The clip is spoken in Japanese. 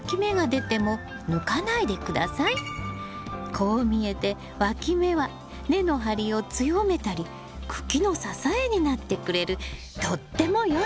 こう見えてわき芽は根の張りを強めたり茎の支えになってくれるとってもよい子なんです。